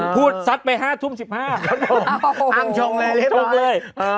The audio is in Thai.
พูดสัดไป๕ทุ่ม๑๕แล้วผมอ้างชงเลย